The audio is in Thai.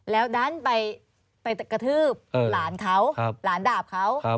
แล้วดันไปกระทืบหลานเขาหลานดาบเขา